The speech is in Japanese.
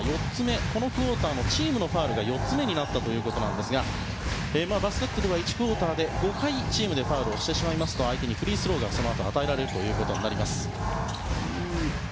このクオーターのチームのファウルが４つ目になったということですがバスケットでは１クオーターで５回、チームでファウルしてしまいますと相手にフリースローがそのあと与えられます。